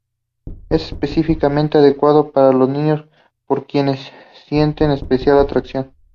Es especialmente adecuado para los niños, por quienes siente especial atracción.